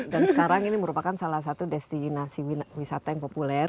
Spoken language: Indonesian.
dan sekarang ini merupakan salah satu destinasi wisata yang populer